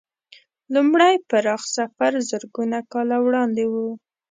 لومړی پراخ سفر زرګونه کاله وړاندې و.